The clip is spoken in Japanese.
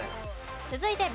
続いてＢ。